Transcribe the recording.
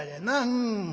うん」。